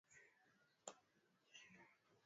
Kamau ana bidii ya mchwa